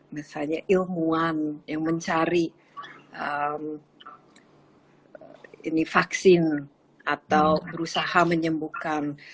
misalnya ilmuwan yang mencari vaksin atau berusaha menyembuhkan